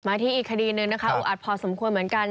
ที่อีกคดีหนึ่งนะคะอุอัดพอสมควรเหมือนกัน